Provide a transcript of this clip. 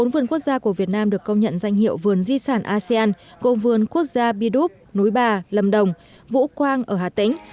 bốn vườn quốc gia của việt nam được công nhận danh hiệu vườn di sản asean gồm vườn quốc gia bi đúc núi bà lâm đồng vũ quang ở hà tĩnh